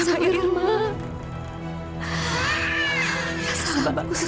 saya akan menangkan dia